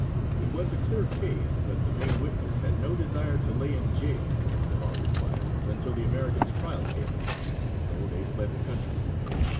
It was a clear case, but the main witnesses had no desire to lay in jail, as the law requires, until the American's trial came up, so they fled the country.